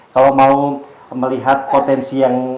kalau mau melihat potensi yang